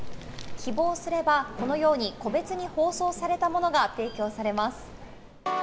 希望すれば、このように個別に包装されたものが提供されます。